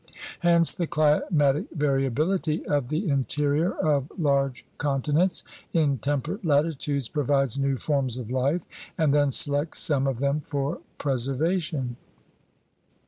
Hence the climatic variability of the interior of large continents in temperate latitudes provides new forms of life and then selects some of them for preservation.